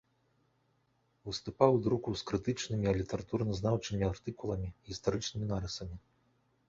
Выступаў у друку з крытычнымі і літаратуразнаўчымі артыкуламі, гістарычнымі нарысамі.